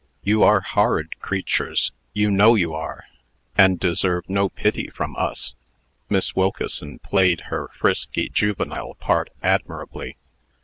"You are horrid creatures you know you are and deserve no pity from us!" Miss Wilkeson played her frisky, juvenile part admirably.